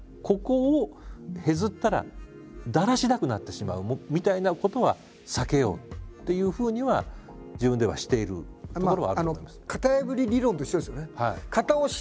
ここをへずったらだらしなくなってしまうみたいなことは避けようっていうふうには自分ではしているところはあると。